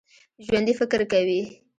ژوندي فکر کوي